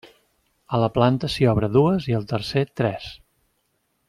A la planta s'hi obre dues i al tercer tres.